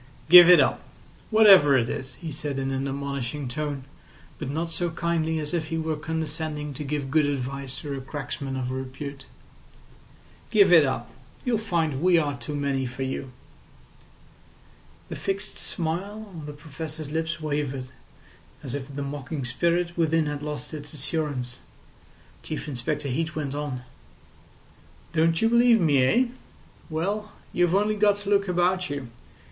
"Give it up—whatever it is," he said in an admonishing tone, but not so kindly as if he were condescending to give good advice to a cracksman of repute. "Give it up. You'll find we are too many for you." The fixed smile on the Professor's lips wavered, as if the mocking spirit within had lost its assurance. Chief Inspector Heat went on: "Don't you believe me eh? Well, you've only got to look about you.